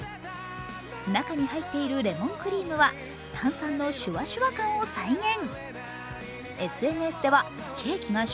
中に入っているレモンクリームは炭酸のシュワシュワ感を再現。